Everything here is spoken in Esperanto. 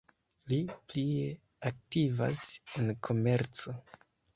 Li plie aktivas en komerco.